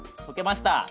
溶けました。